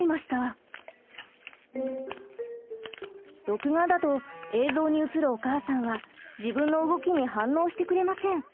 録画だと映像に映るお母さんは自分の動きに反応してくれません。